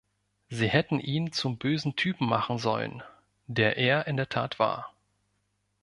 Sie hätten ihn zum bösen Typen machen sollen, der er in der Tat war.